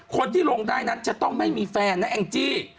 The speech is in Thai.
คนที่ลงได้นั้นจะต้องไม่มีแฟนนะแองจี้